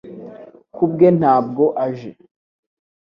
Ku bwe ntabwo aje